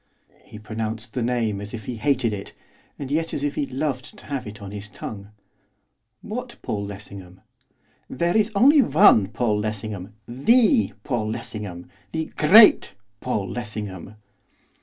He pronounced the name as if he hated it, and yet as if he loved to have it on his tongue. 'What Paul Lessingham?' 'There is only one Paul Lessingham! The Paul Lessingham, the great Paul Lessingham!